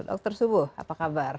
dokter subuh apa kabar